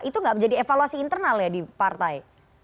itu nggak menjadi evaluasi internal ya di partai